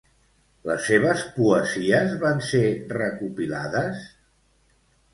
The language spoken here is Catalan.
Les seves poesies van ser recopilades?